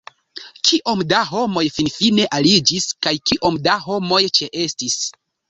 Kiom da homoj finfine aliĝis, kaj kiom da homoj ĉeestis?